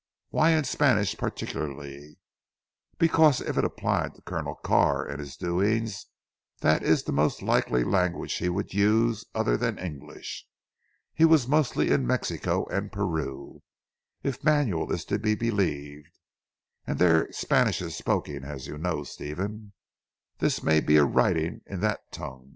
"Why in Spanish particularly?" "Because if it applied to Colonel Carr and his doings, that is the most likely language he would use, other than English. He was mostly in Mexico and Peru, if Manuel is to be believed, and there Spanish is spoken as you know, Stephen. This may be a writing in that tongue."